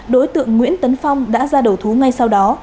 đối tượng nguyễn tấn phong đã ra đầu thú ngay sau đó